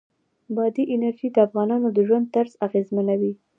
بادي انرژي د افغانانو د ژوند طرز اغېزمنوي.